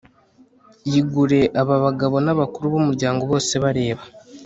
yigure aba bagabo n'abakuru b'umuryango bose bareba